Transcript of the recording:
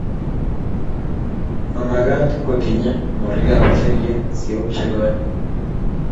Mamekat kotinyei morikab keliek sioik che koen